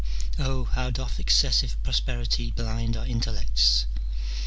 O, how doth excessive prosperity blind our intellects